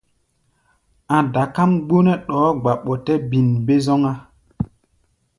A̧ dakáʼm gbonɛ́ ɗɔɔ́ gba ɓɔtɛ́-bin-bé-zɔ́ŋá.